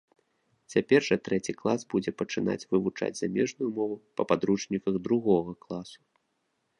Цяпер жа трэці клас будзе пачынаць вывучаць замежную мову па падручніках другога класу.